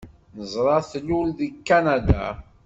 Neẓra tlul deg Kanada.